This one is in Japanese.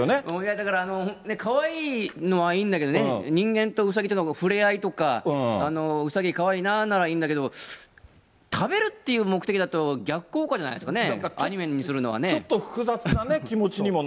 だから、かわいいのはいいんだけどね、人間とうさぎとの触れ合いとか、うさぎかわいいなならいいんだけど、食べるっていう目的だと逆効果じゃないですかね、アニメにするのちょっと複雑な気持ちにもな